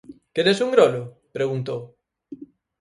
_Queres un grolo? _preguntou.